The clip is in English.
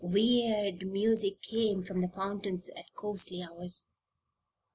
Weird music came from the fountain at ghostly hours.